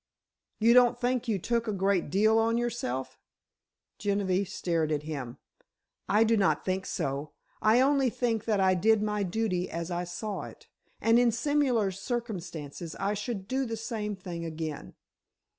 "You don't think you took a great deal on yourself?" Genevieve stared at him. "I do not think so. I only think that I did my duty as I saw it, and in similar circumstances I should do the same again."